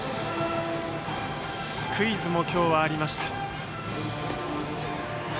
スクイズも今日はありました。